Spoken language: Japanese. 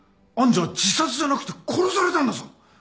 愛珠は自殺じゃなくて殺されたんだぞ。